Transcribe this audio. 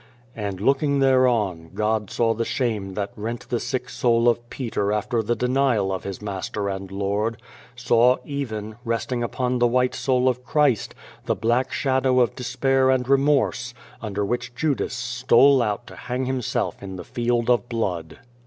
" And looking thereon God saw the shame that rent the sick soul of Peter after the denial of his Master and Lord ; saw, even, resting upon the white soul of Christ, the black shadow of despair and remorse under which Judas stole out to hang himself in the Field of Blood.